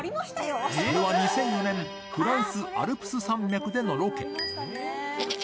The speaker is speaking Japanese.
それは２００４年、フランス・アルプス山脈でのロケ。